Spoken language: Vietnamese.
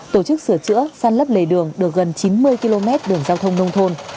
tổ chức sửa chữa săn lấp lề đường được gần chín mươi km đường giao thông nông thôn